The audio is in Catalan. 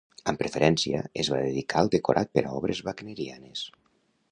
Amb preferència es va dedicar al decorat per a obres wagnerianes.